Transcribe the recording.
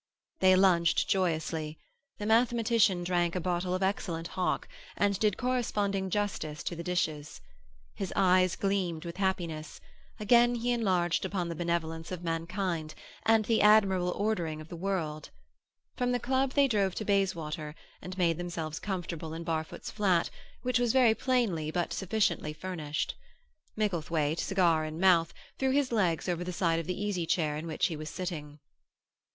They lunched joyously. The mathematician drank a bottle of excellent hock, and did corresponding justice to the dishes. His eyes gleamed with happiness; again he enlarged upon the benevolence of mankind, and the admirable ordering of the world. From the club they drove to Bayswater, and made themselves comfortable in Barfoot's flat, which was very plainly, but sufficiently, furnished. Micklethwaite, cigar in mouth, threw his legs over the side of the easy chair in which he was sitting.